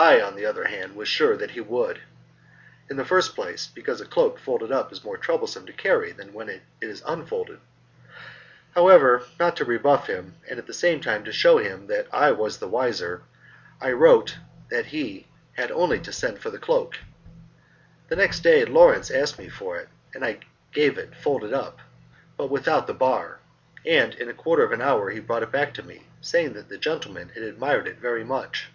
I, on the other hand, was sure that he would. In the first place, because a cloak folded up is more troublesome to carry than when it is unfolded. However, not to rebuff him and at the same time to shew him that I was the wiser, I wrote that he had only to send for the cloak. The next day Lawrence asked me for it, and I gave it folded up, but without the bar, and in a quarter of an hour he brought it back to me, saying that the gentleman had admired it very much.